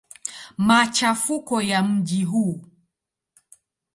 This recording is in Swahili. Machafuko ya mji huu.